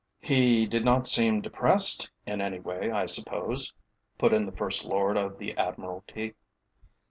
"He did not seem depressed in any way, I suppose?" put in the First Lord of the Admiralty.